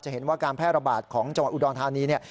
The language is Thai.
เห็นว่าการแพร่ระบาดของจังหวัดอุดรธานีเนี่ย